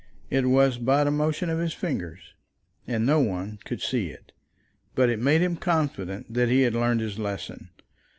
It was but a motion of his fingers and no one could see it, but it made him confident that he had learned his lesson.